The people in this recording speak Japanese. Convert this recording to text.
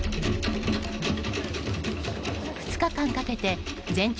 ２日間かけて全長